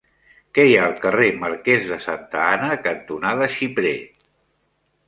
Què hi ha al carrer Marquès de Santa Ana cantonada Xiprer?